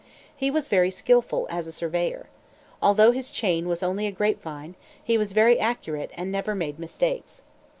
He was very skilful as a surveyor. Although his chain was only a grape vine, he was very accurate and never made mistakes.